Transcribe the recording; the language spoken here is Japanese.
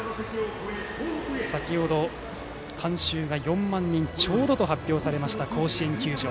先程観衆が４万人ちょうどと発表された甲子園球場。